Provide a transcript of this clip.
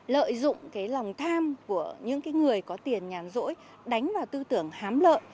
lợi dụng lòng tham của những người có tiền nhàn dỗi đánh vào tư tưởng hám lợi